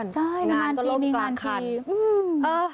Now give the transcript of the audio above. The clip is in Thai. ใช่มีงานทีมีงานทีอืมเออ